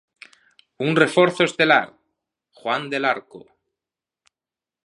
Un reforzo estelar: Juan del Arco.